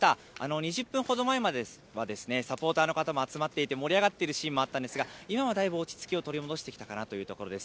２０分ほど前はですね、サポーターの方も集まっていて盛り上がっているシーンもあったんですが、今はだいぶ落ち着きを取り戻してきたかなという感じです。